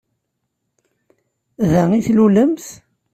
Da i tlulemt?